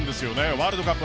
ワールドカップ